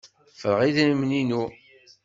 Ffreɣ idrimen-inu.